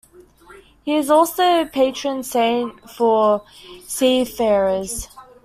He is also patron saint for seafarers.